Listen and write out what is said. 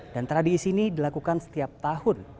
dan tradisi ini dilakukan setiap tahun